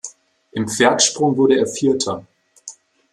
Im Pferdsprung wurde er Vierter.